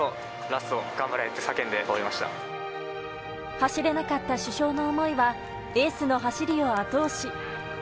走れなかった主将の思いはエースの走りを後押し。